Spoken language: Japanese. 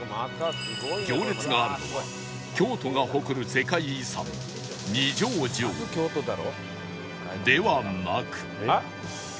行列があるのは京都が誇るではなく